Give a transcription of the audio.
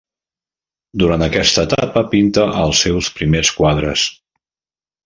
Durant aquesta etapa pinta els seus primers quadres.